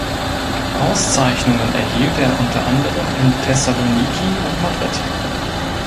Auszeichnungen erhielt er unter anderem in Thessaloniki und Madrid.